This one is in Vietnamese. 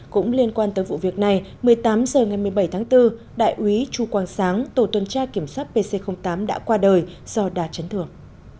cũng liên quan tới vụ việc này một mươi tám h ngày một mươi bảy tháng bốn đại úy chu quang sáng tổ tuần tra kiểm soát pc tám đã qua đời do đa chấn thương